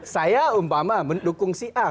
saya umpama mendukung si a